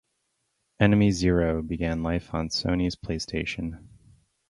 "Enemy Zero" began life on Sony's PlayStation.